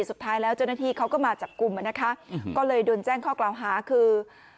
สุดท้ายแล้วเจ้าหน้าที่เขาก็มาจับกลุ่มนะคะก็เลยโดนแจ้งข้อกล่าวหาคือ